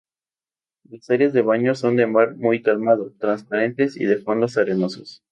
Las áreas de baño son de mar muy calmado, transparentes y de fondos arenosos.